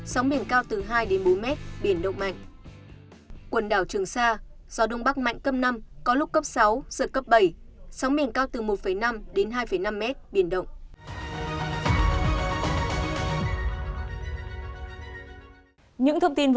sóng biển cao từ hai đến bốn mét biển độc mạnh